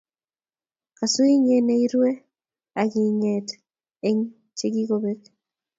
Kasu inye ne irue , ak ing'eet eng' che kigobek.